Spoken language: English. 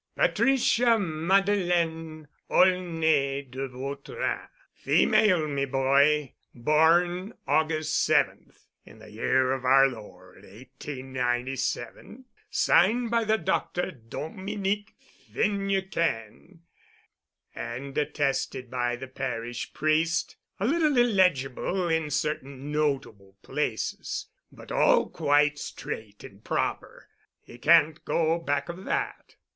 Patricia Madeleine Aulnay de Vautrin. Female, me boy. Born August 7th, in the year of Our Lord, 1897—signed by the Doctor—Dominick Finucane—and attested by the Parish priest—a little illegible in certain notable places, but all quite straight and proper. He can't go back of that."